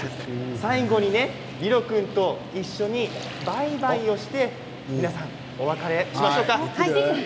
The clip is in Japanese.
最後に、リロ君と一緒にバイバイをして皆さん、お別れしましょうか。